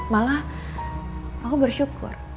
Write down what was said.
malah aku bersyukur